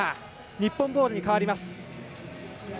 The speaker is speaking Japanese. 日本ボールに変わります。